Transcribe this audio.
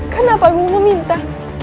kenapa ibu meminta